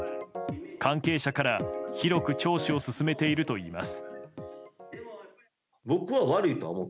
関係者から広く聴取を進めているといいます。